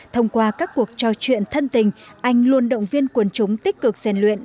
thông qua các cuộc trò chuyện thân tình anh luôn động viên quân chúng tích cực dành luyện